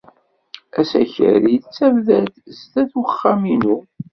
Asakal yettabdad sdat uxxam-inu.